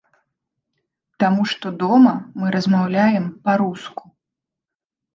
Таму што дома мы размаўляем па-руску.